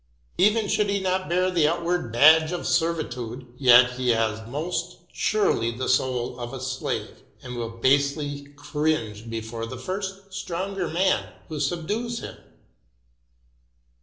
Even should he not bear the outward badge of servitude, yet he has most surely the soul of a slave, and will basely cringe before the first stronger man who subdues him.